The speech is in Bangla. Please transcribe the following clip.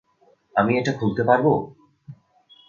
আমি এটা খুলতে পারবো?